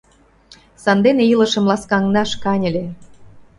Сандене илышым ласкаҥдаш каньыле.